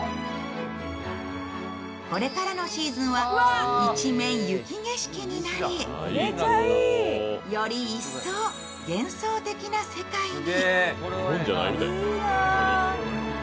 これからのシーズンは一面、雪景色になりより一層、幻想的な世界に。